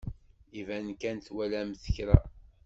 Iban kan twalamt kra.